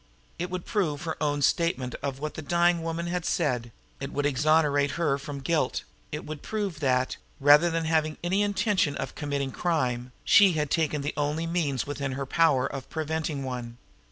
It would prove her own statement of what the dying woman had said. It would exonerate her from guilt; it would prove that, rather than having any intention of committing crime, she had taken the only means within her power of preventing one.